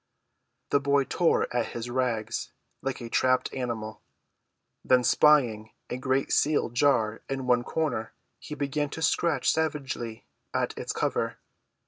The boy tore at his rags like a trapped animal. Then spying a great sealed jar in one corner he began to scratch savagely at its cover.